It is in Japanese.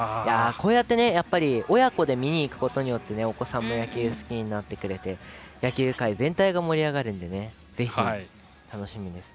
こうやって親子で見に行くことによってお子さんも野球を好きになってくれて野球界全体が盛り上がるのでぜひ、楽しみです。